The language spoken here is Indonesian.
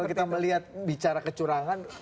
kalau kita melihat bicara kecurangan